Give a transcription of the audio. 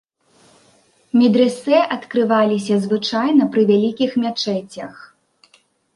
Медрэсэ адкрываліся звычайна пры вялікіх мячэцях.